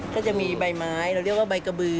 จะมีใบไม้เราเรียกว่าใบกระบือ